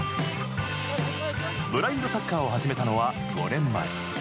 ブラインドサッカーを始めたのは５年前。